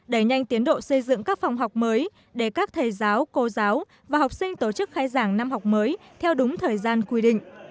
đẩy nhanh tiến độ xây dựng các phòng học mới để các thầy giáo cô giáo và học sinh tổ chức khai giảng năm học mới theo đúng thời gian quy định